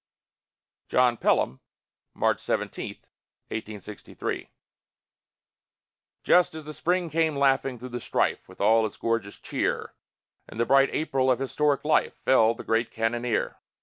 JOHN PELHAM [March 17, 1863] Just as the spring came laughing through the strife, With all its gorgeous cheer, In the bright April of historic life, Fell the great cannoneer.